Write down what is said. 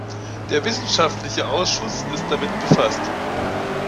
Der wissenschaftliche Ausschuss ist damit befasst.